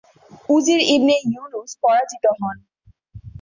উজির ইবনে ইউনূস পরাজিত হন।